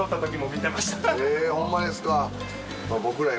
えぇホンマですか？